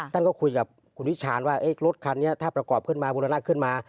ท่านก็คุยกับคุณวิชาณว่ารถคันนี้ถ้าประกอบขึ้นมาบุรณะขึ้นมา